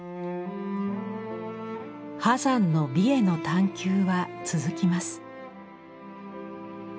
波山の美への探求は続きます。